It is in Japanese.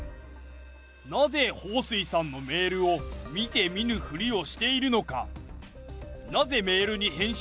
なぜ彭帥さんのメールを見て見ぬふりをしているのか。